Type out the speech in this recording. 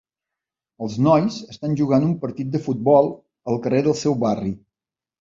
Els nois estan jugant un partit de futbol al carrer del seu barri.